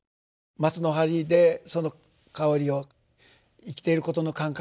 松の針でその香りを生きてることの感覚